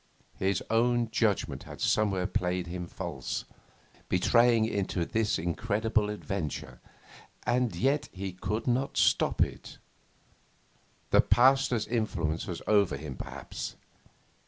His own judgment had somewhere played him false, betraying him into this incredible adventure. And yet he could not stop it. The Pasteur's influence was over him perhaps.